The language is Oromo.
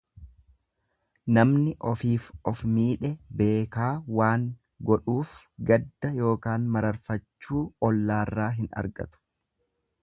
Nama ofiif of miidhe beekaa waan godhuuf gadda ykn mararfachuu ollaarraa hin argatu.